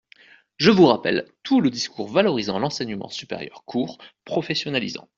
Je vous rappelle tout le discours valorisant l’enseignement supérieur court, professionnalisant.